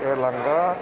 di rumah sakit di lhl